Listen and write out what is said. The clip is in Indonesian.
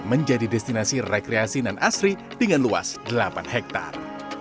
menjadi destinasi rekreasi nan asri dengan luas delapan hektare